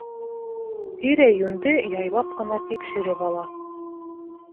Тирә-йүнде яйлап ҡына тикшереп ала.